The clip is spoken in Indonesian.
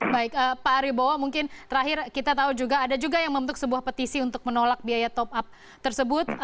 baik pak ariebowo mungkin terakhir kita tahu juga ada juga yang membentuk sebuah petisi untuk menolak biaya top up tersebut